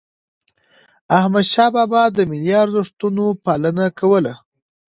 احمد شاه بابا د ملي ارزښتونو پالنه کوله.